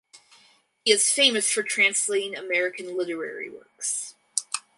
He is famous for translating American literary works.